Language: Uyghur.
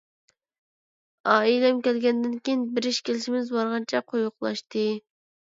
ئائىلەم كەلگەندىن كېيىن بېرىش-كېلىشىمىز بارغانچە قويۇقلاشتى.